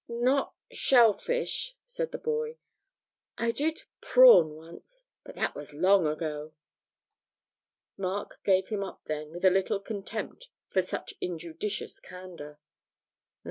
'Not "Shellfish,"' said the boy; 'I did "Prawn" once. But that was long ago.' Mark gave him up then, with a little contempt for such injudicious candour.